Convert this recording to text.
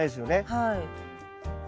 はい。